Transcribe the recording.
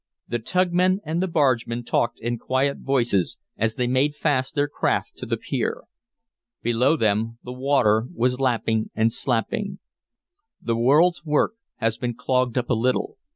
The tugmen and the bargemen talked in quiet voices as they made fast their craft to the pier. Below them the water was lapping and slapping. "The world's work has been clogged up a little.